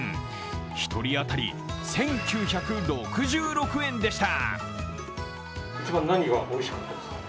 １人当たり１９６６円でした。